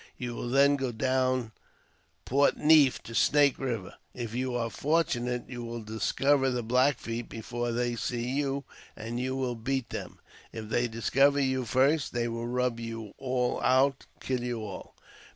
You will then go down Port Neif to Snake Eiver. If you are fortunate you will discover the Black Feet before they see you, and you will beat them. If they discover you first, they will rub you all out — kill you all.